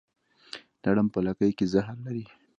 لړم په لکۍ کې زهر لري